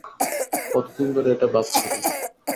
কতদিন ধরে এটা ভাবছিলে?